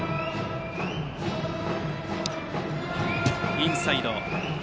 インサイド。